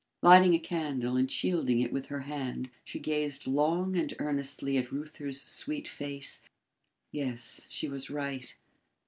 Lighting a candle and shielding it with her hand, she gazed long and earnestly at Reuther's sweet face. Yes, she was right.